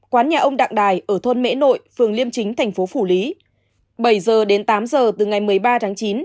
quán nhà ông đặng đài ở thôn mễ nội phường liêm chính thành phố phủ lý bảy h đến tám giờ từ ngày một mươi ba tháng chín